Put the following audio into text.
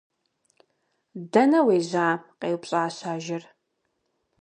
- Дэнэ уежьа? - къеупщӀащ ажэр.